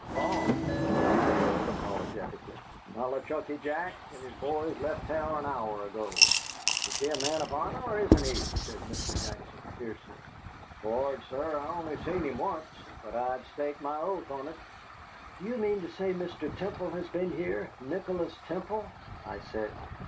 "Gone!" said the landlord, apologetically, "Nollichucky Jack and his boys left town an hour ago." "Is he a man of honor or isn't he?" said Mr. Jackson, fiercely. "Lord, sir, I only seen him once, but I'd stake my oath on it." "Do you mean to say Mr. Temple has been here Nicholas Temple?" I said.